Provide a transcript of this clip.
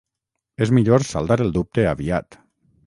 És millor saldar el dubte aviat.